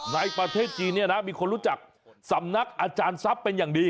ในประเทศจีนเนี่ยนะมีคนรู้จักสำนักอาจารย์ทรัพย์เป็นอย่างดี